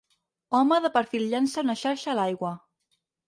home de perfil llança una xarxa a l'aigua.